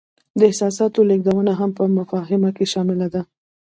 د احساساتو لیږدونه هم په مفاهمه کې شامله ده.